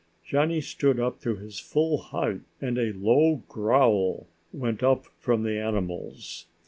Johnny stood up to his full height and a low growl went up from the animals.